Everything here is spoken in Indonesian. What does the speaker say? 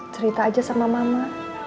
cerita aja sama mama